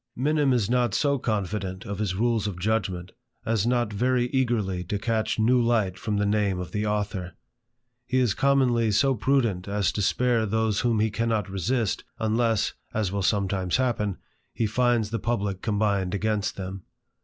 Minim is not so confident of his rules of judgment as not very eagerly to catch new light from the name of the author. He is commonly so prudent as to spare those whom he cannot resist, unless, as will sometimes happen, he finds the publick combined against them.